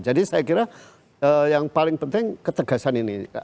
jadi saya kira yang paling penting ketegasan ini